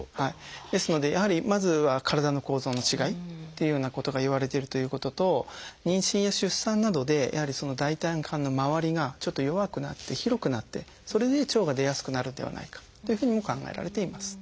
ですのでやはりまずは体の構造の違いっていうようなことがいわれてるということと妊娠や出産などでやはり大腿管のまわりがちょっと弱くなって広くなってそれで腸が出やすくなるんではないかというふうにも考えられています。